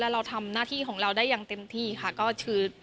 เราทำหน้าที่ของเราได้อย่างเต็มที่ค่ะก็คือ